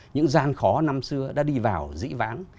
những gian khó năm xưa đã đi vào dĩ vãn